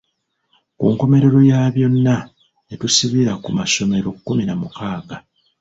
Ku nkomerero ya byonna ne tusibira ku masomero kkumi na mukaaga.